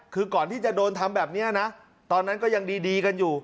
คือก่อนที่จะโดนทำแบบนี้นะตอนนั้นก็ยังดีกันอยู่